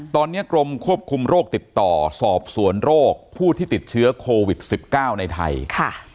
ตอนนี้กรมควบคุมโรคติดต่อสอบสวนโรคผู้ที่ติดเชื้อโควิด๑๙ในไทยค่ะ